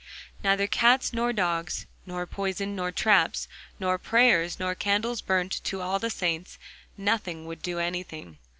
Neither cats nor dogs, nor poison nor traps, nor prayers nor candles burnt to all the saints—nothing would do anything.